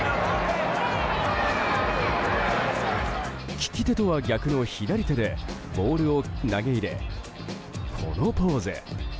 利き手とは逆の左手でボールを投げ入れこのポーズ。